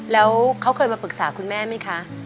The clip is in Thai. แล้วเขาเคยมาปรึกษาคุณแม่ไหมคะ